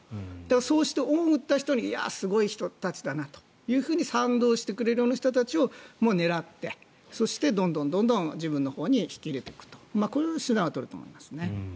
そうして恩を売った人にすごい人たちだなと賛同してくれるような人たちを狙ってそしてどんどん自分のほうに引き入れていくという手段を取ると思いますね。